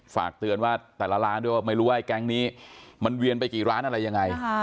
ฝากเตือนว่าแต่ละร้านด้วยไม่รู้ว่าไอ้แก๊งนี้มันเวียนไปกี่ร้านอะไรยังไง